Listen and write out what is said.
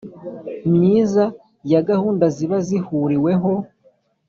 myiza ya gahunda ziba zihuriweho